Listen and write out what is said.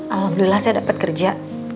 alhamdulillah saya dapat kerja